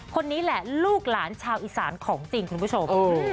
คนนี้แหละลูกหลานชาวอีสานของจริงคุณผู้ชม